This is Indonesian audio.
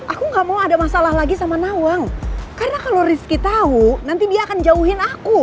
aku gak mau ada masalah lagi sama nawang karena kalau rizky tahu nanti dia akan jauhin aku